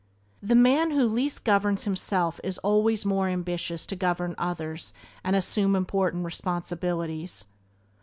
The man who least governs himself is always more ambitious to govern others and assume important responsibilities.